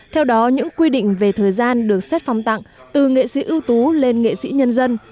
theo đó những quy định về thời gian được xét phong tặng từ nghệ sĩ ưu tú lên nghệ sĩ nhân dân